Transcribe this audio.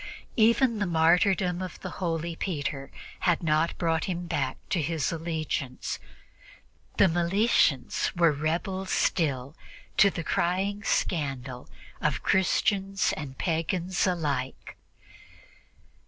Even the martyrdom of the holy Peter had not brought him back to his allegiance: the Meletians were rebels still, to the crying scandal of Christians and pagans alike.